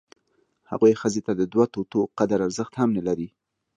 هغوی ښځې ته د دوه توتو قدر ارزښت هم نه لري.